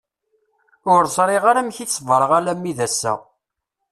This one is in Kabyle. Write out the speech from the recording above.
Ur ẓriɣ ara amek i sebreɣ alammi d ass-a.